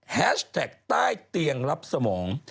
แฮชแท็กใต้เตียงรับสมอง